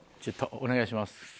お願いします。